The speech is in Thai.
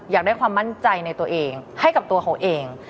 อยากได้ความมั่นใจในตัวเองให้กับตัวเขาเอง